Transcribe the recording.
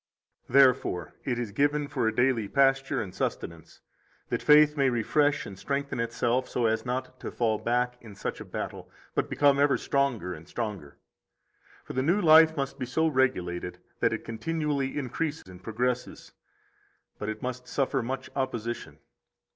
24 Therefore it is given for a daily pasture and sustenance, that faith may refresh and strengthen itself so as not to fall back in such a battle, but become ever stronger and stronger. 25 For the new life must be so regulated that it continually increase and progress; 26 but it must suffer much opposition.